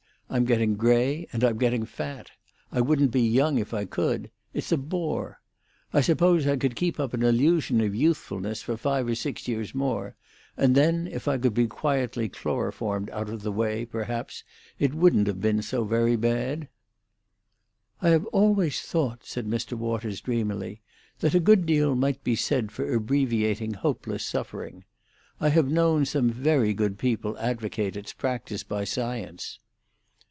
I'm getting grey, and I'm getting fat; I wouldn't be young if I could; it's a bore. I suppose I could keep up an illusion of youthfulness for five or six years more; and then if I could be quietly chloroformed out of the way, perhaps it wouldn't have been so very bad." "I have always thought," said Mr. Waters dreamily, "that a good deal might be said for abbreviating hopeless suffering. I have known some very good people advocate its practice by science."